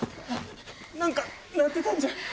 何か鳴ってたんじゃ？